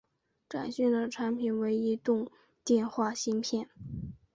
展讯的产品为移动电话芯片。